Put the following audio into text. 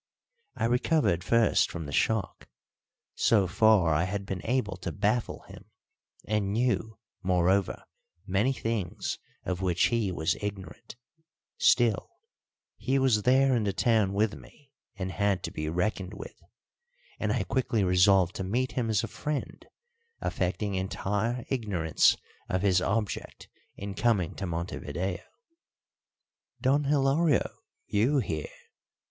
I recovered first from the shock. So far I had been able to baffle him, and knew, moreover, many things of which he was ignorant; still, he was there in the town with me and had to be reckoned with, and I quickly resolved to meet him as a friend, affecting entire ignorance of his object in coming to Montevideo. "Don Hilario you here!